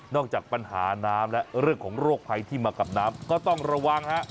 จากปัญหาน้ำและเรื่องของโรคภัยที่มากับน้ำก็ต้องระวังฮะ